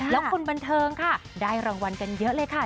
แล้วคนบันเทิงค่ะได้รางวัลกันเยอะเลยค่ะ